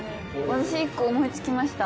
私１個思いつきました